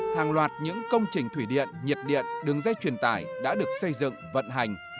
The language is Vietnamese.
hàng loạt những công trình thủy điện nhiệt điện đường dây truyền tải đã được xây dựng vận hành